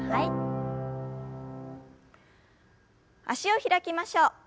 脚を開きましょう。